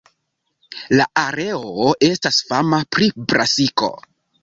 La areo estas fama pri brasiko.